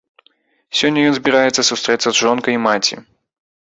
Сёння ён збіраецца сустрэцца з жонкай і маці.